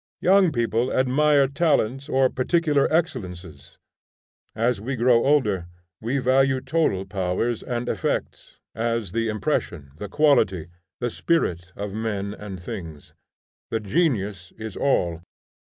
Young people admire talents or particular excellences; as we grow older we value total powers and effects, as the impression, the quality, the spirit of men and things. The genius is all.